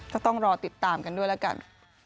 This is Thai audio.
ก็ต้องรอติดตามกันด้วยแล้วกัน